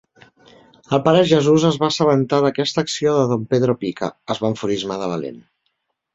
El pare Jesús es va assabentar d'aquesta acció de Don Pedro Pica, es va enfurismar de valent.